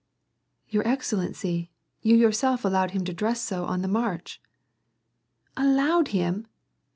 " Your excellency, you yourself allowed him to dress so on the march." " Allowed him